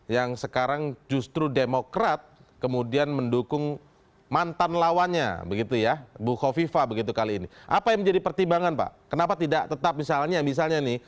yang sekarang justru demokrat kemudian mendukung mantan lawannya begitu ya bu kofifa begitu kali ini apa yang menjadi pertimbangan pak kenapa tidak tetap misalnya misalnya nih